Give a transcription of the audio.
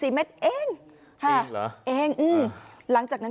เองเหรออืมหรือเปล่าหรือเปล่าหรือเปล่าหรือเปล่า